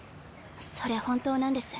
それ本当なんです。